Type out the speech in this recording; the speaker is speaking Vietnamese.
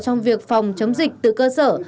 trong việc phòng chống dịch từ cơ sở